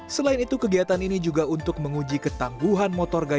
selain itu kegiatan ini juga untuk menguji ketangguhan motor gaya